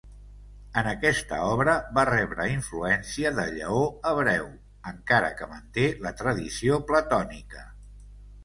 En aquesta obra, va rebre influència de Lleó Hebreu, encara que manté la tradició platònica.